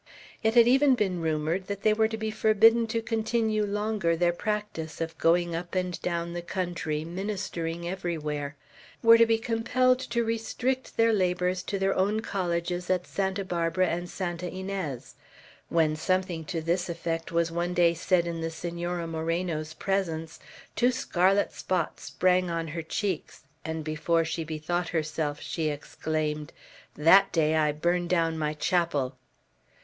It had even been rumored that they were to be forbidden to continue longer their practice of going up and down the country, ministering everywhere; were to be compelled to restrict their labors to their own colleges at Santa Barbara and Santa Inez. When something to this effect was one day said in the Senora Moreno's presence, two scarlet spots sprang on her cheeks, and before she bethought herself, she exclaimed, "That day, I burn down my chapel!"